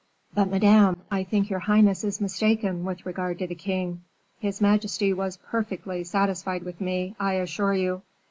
"But, Madame, I think your highness is mistaken with regard to the king. His majesty was perfectly satisfied with me, I assure you."